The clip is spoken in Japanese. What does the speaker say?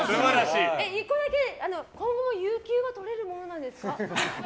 １個だけ今後有給は取れるものなんですか。